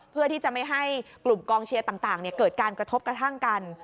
เพื่อที่จะไม่ให้กลุ่มกองเชียร์ต่างเกิดการกระทบกระทั่งกัน